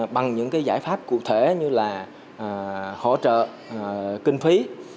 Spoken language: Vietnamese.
bằng những giải pháp cụ thể như là hỗ trợ kinh phí